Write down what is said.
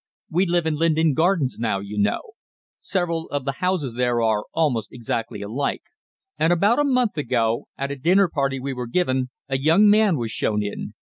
We live in Linden Gardens now, you know. Several of the houses there are almost exactly alike, and about a month ago, at a dinner party we were givin', a young man was shown in.